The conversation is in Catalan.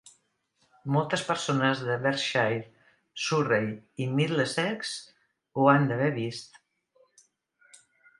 Moltes persones de Berkshire, Surrey i Middlesex ho han d'haver vist.